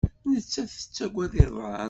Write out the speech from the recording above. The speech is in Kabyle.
Nettat tettaggad iḍan.